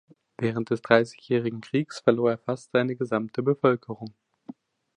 Während des Dreißigjährigen Kriegs verlor er fast seine gesamte Bevölkerung.